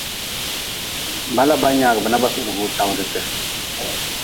Bala ba nyagbe na ba suhdgi wi tawdte.